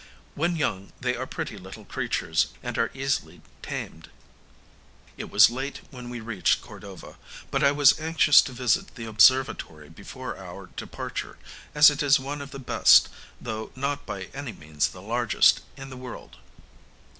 When young they are pretty little creatures, and are easily tamed. It was late when we reached Cordova; but I was anxious to visit the Observatory before our departure, as it is one of the best, though not by any means the largest, in the world.